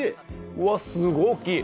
うわっすごい大っきい。